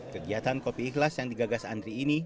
kegiatan kopi ikhlas yang digagas andri ini